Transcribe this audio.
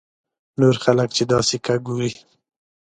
نور خلک چې دا سکه ګوري.